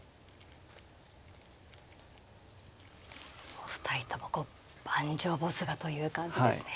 お二人ともこう盤上没我という感じですね。